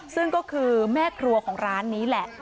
ซึ่งก็คือแม่ครัวของร้านนี้แหละ